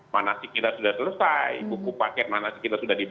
manasik kita sudah selesai buku paket manasik kita sudah dibagi